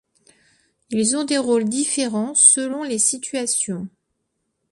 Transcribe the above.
Ils ont des rôles différents selon les situations.